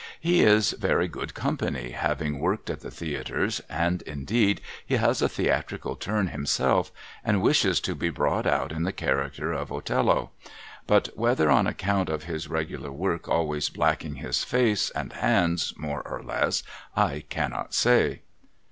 He is very good company, having worked at the theatres, and, indeed, he has a theatrical turn himself, and wishes to be brought out in the character of Othello ; but whether on account of his regular work always blacking his face and hands more or less, I cannot say.